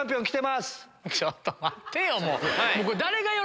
ちょっと待ってよ。